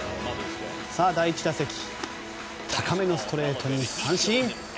第１打席高めのストレートに三振。